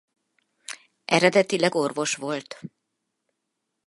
Eredetileg orvos volt.